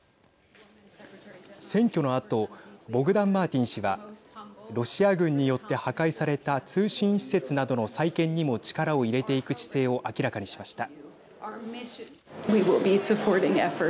選挙のあとボグダンマーティン氏はロシア軍によって破壊された通信施設などの再建にも力を入れていく姿勢を明らかにしました。